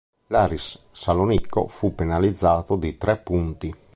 L'Aris Salonicco fu penalizzato di tre punti.